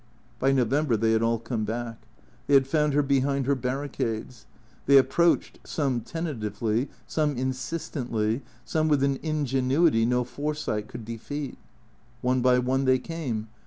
By Xovember they had all come back. They had found her be hind her barricades. They approached, some tentatively, some insistently, some with an ingenuity no foresight could defeat. One by one they came.